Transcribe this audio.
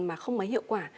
mà không mấy hiệu quả